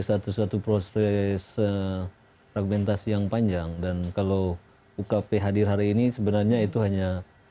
satu satu proses fragmentasi yang panjang dan kalau ukp hadir hari ini sebenarnya itu hanya